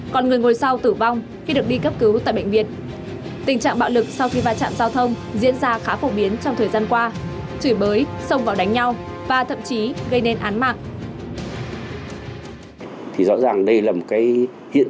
còn người ngồi sau tử vong khi được đi cấp cứu tại bệnh viện